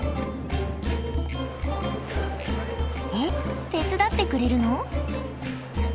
えっ手伝ってくれるの？